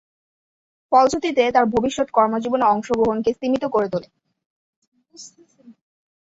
ফলশ্রুতিতে তার ভবিষ্যৎ কর্মজীবনে অংশগ্রহণকে স্তিমিত করে তোলে।